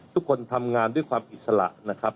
ทุกคนทำงานด้วยความอิสระนะครับ